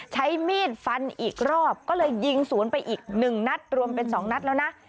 ใช้มีดฟันอีกรอบก็เลยยิงสวนไปอีก๑นัดรวมเป็น๒นัดแล้วนะ